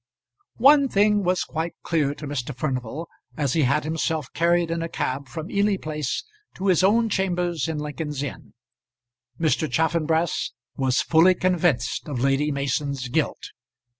One thing was quite clear to Mr. Furnival as he had himself carried in a cab from Ely Place to his own chambers in Lincoln's Inn. Mr. Chaffanbrass was fully convinced of Lady Mason's guilt.